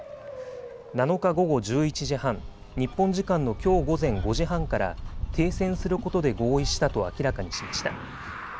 ７日午後１１時半、日本時間のきょう午前５時半から停戦することで合意したと明らかにしました。